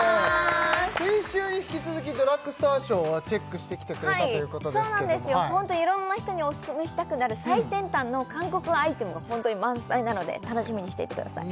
先週に引き続きドラッグストアショーをチェックしてきてくれたということですけどもそうなんですよホントいろんな人にオススメしたくなる最先端の韓国アイテムが本当に満載なので楽しみにしていてください